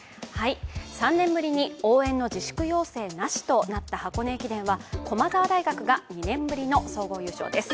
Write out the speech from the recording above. ３年ぶりに応援の自粛要請なしとなった箱根駅伝は駒澤大学が２年ぶりの総合優勝です。